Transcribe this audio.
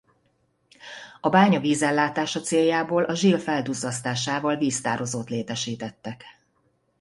A bánya vízellátása céljából a Zsil felduzzasztásával víztározót létesítettek.